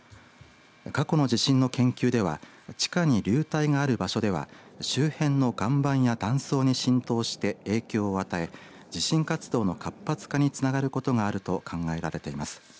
過去の地震の研究では地下に流体がある場所では周辺の岩盤や断層に浸透して影響を与え、地震活動の活発化につながることがあると考えられています。